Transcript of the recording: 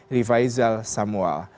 rifai zal samual